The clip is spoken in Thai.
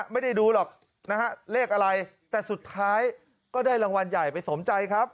ไม่ได้ดูหรอกนะฮะเลขอะไรแต่สุดท้ายก็ได้รางวัลใหญ่ไปสมใจครับ